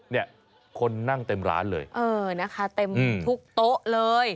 เนี่ยคนนั่งเต็มร้านเลยเออนะคะเต็มทุกโต๊ะเลย